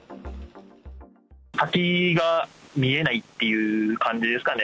先が見えないっていう感じですかね。